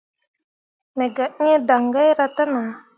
Me gah ĩĩ daŋgaira te nah.